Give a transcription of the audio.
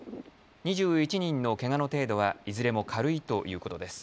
２１人ののけがの程度はいずれも軽いということです。